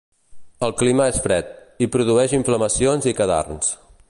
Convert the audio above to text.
El clima és fred, i produeix inflamacions i cadarns.